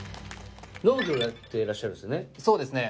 農業をやってらっしゃるんですよね？